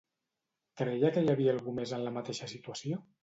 Creia que hi havia algú més en la mateixa situació?